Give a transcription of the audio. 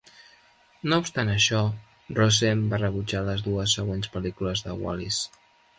No obstant això, Rossen va rebutjar les dues següents pel·lícules de Wallis.